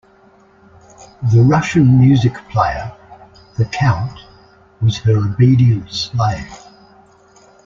The Russian music player, the Count, was her obedient slave.